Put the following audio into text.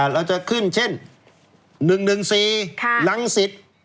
เราจะขึ้นเช่น๑๑๔รังสิต